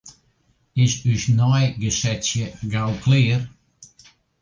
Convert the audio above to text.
Is ús neigesetsje gau klear?